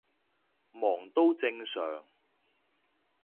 忙都正常